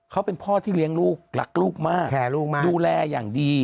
เขาเป็นพ่อที่เลี้ยงลูกรักลูกมากดูแลอย่างดี